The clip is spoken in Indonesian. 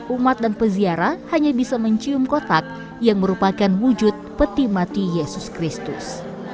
umat dan peziarah hanya bisa mencium kotak yang merupakan wujud peti mati yesus kristus